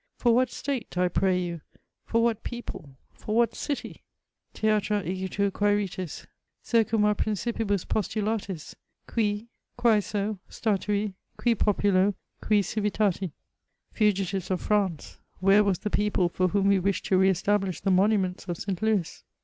For what state, I pray you— for what people — for what city ?'* (Theatra igitur quaentis, circum k principlbus postulatis ? Cui, quseso, statui, cui populo, cui civitati ?) Fugitives of France, where was the people for whom we wished to re establish the monuments of Saint Louis